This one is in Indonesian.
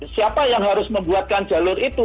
siapa yang harus membuatkan jalur itu